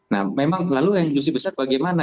nah memang lalu yang justru besar bagaimana